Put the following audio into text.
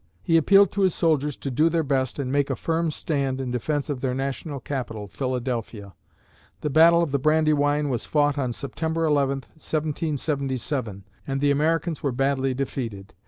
He appealed to his soldiers to do their best and make a firm stand in defense of their national capital (Philadelphia). The battle of the Brandywine was fought on September 11, 1777, and the Americans were badly defeated.